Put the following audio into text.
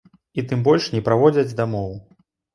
І тым больш, не праводзяць дамоў!